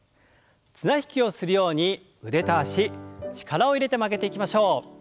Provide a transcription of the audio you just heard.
綱引きをするように腕と脚力を入れて曲げていきましょう。